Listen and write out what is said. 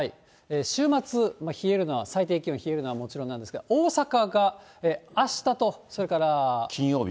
週末、冷えるのは、最低気温冷えるのはもちろんなんですが、大阪があしたとそれから。